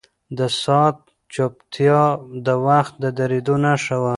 د ساعت چوپتیا د وخت د درېدو نښه وه.